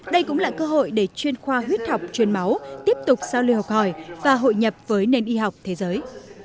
đây cũng là cơ hội để chuyên khoa huyết học chuyên máu tiếp tục giao lưu học hỏi và hội nhập với nền y học thế giới